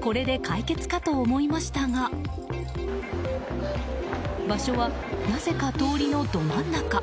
これで解決かと思いましたが場所は、なぜか通りのど真ん中。